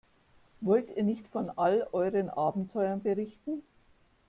Wollt ihr nicht von all euren Abenteuern berichten?